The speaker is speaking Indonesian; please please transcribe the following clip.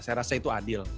saya rasa itu adil